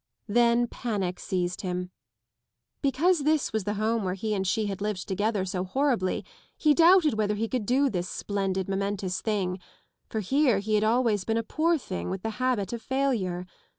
Then panic seized him. Because this was the home where he and she had lived together so horribly he doubted whether he could do this splendid momentous thing, for here he had always been a poor thing with the habit of failure.